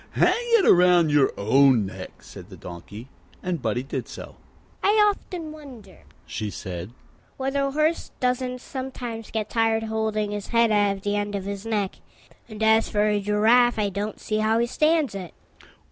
"Hang it round your own neck," said the Donkey, and Buddie did so. "I often wonder," she said, "whether a horse doesn't sometimes get tired holding his head out at the end of his neck. And as for a giraffe, I don't see how he stands it."